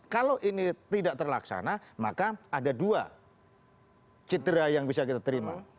kalau ini tidak terlaksana maka ada dua cidera yang bisa kita terima